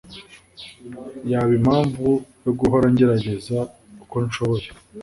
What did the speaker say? yaba impamvu yo guhora ngerageza uko nshoboye.